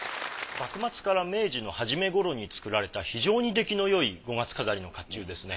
幕末から明治の初めごろに作られた非常に出来の良い五月飾りの甲冑ですね。